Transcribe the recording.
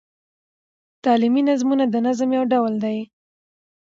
تعلیمي نظمونه د نظم یو ډول دﺉ.